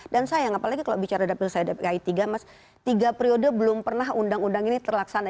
dan sayang apalagi kalau bicara dapil saya di dki tiga mas tiga periode belum pernah undang undang ini terlaksana